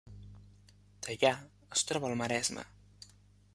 Teià es troba al Maresme